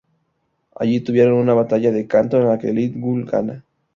Allí, tuvieron una batalla de canto, en la que Li Jun gana.